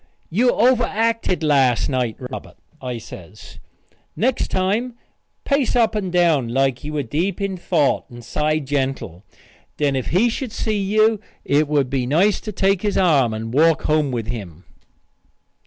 You overacted last night, Robert," I says. "Next time pace up and down like you were deep in thought and sigh gentle. Then if he should see you it would be nice to take his arm and walk home with him."